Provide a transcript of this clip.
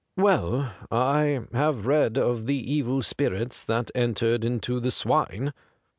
' Well, I have read of the evil spirits that entered into the swine.